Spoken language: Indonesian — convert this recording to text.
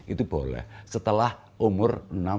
itu boleh setelah umur enam puluh